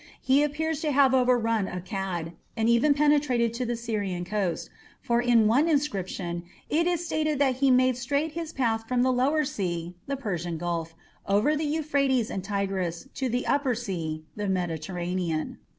He appears to have overrun Akkad, and even penetrated to the Syrian coast, for in one inscription it is stated that he "made straight his path from the Lower Sea (the Persian Gulf) over the Euphrates and Tigris to the Upper Sea (the Mediterranean)".